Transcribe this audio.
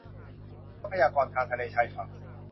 ทรัพยากรทางทะเลชายฝั่ง